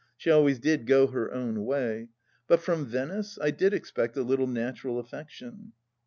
She always did go her own way, but from Venice I did expect a little natural affection.